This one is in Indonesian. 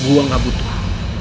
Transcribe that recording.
gue gak butuh